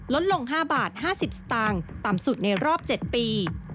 ลดลง๕บาท๕๐สตางค์ต่ำสุดในรอบ๗ปี